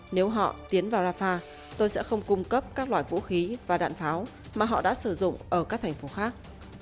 nếu họ tiến vào rafah tôi sẽ không cung cấp các loại vũ khí và đạn pháo mà họ đã sử dụng ở các thành phố khác